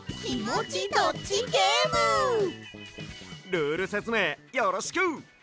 ルールせつめいよろしく！